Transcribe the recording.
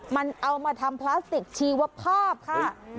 มันเอามาทำพลาสติกชีวภาพค่ะ